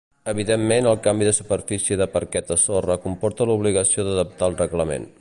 Evidentment el canvi de superfície de parquet a sorra comporta l’obligació d’adaptar el reglament.